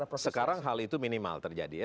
sekarang hal itu minimal terjadi ya